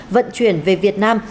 vận chuyển về việt nam